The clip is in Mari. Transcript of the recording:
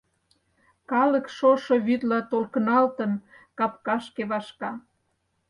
Калык, шошо вӱдла толкыналтын, капкашке вашка.